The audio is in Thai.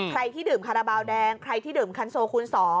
ใครที่ดื่มคาราบาลแดงใครที่ดื่มคันโซคูณ๒